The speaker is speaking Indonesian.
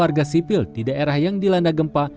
yang ditemukan hidup hidup di daerah yang dilanda gempa